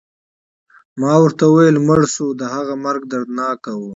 ما ورته وویل: مړ شو، د هغه مرګ دردناک و.